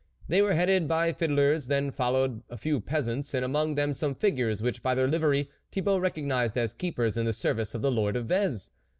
They were headed by the fiddlers ; then followed a few peasants, and among them some figures, which by their livery, Thi bault recognised as keepers in the service of the lord of Vez.